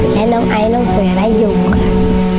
ให้ล้มไอร์ลงไปให้ล้มธรรมได้อยู่ค่ะ